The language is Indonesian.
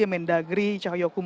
yang mendagri cahayokumun